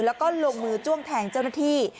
แล้วก็ลงมือจ้วงแทงเจ้าหน้าที่